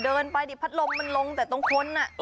เดินไปดิพัดลมมันลงแต่ตรงคน